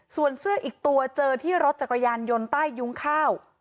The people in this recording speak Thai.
ส่วนเสื้ออีกตัวเจอที่รถจักรยานยนต์ใต้ยุ้งข้าว